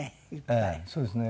ええそうですね。